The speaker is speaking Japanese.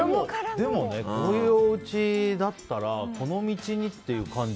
でも、こういうおうちだったらこの道にという感じ